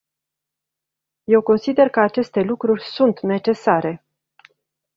Eu consider că aceste lucruri sunt necesare.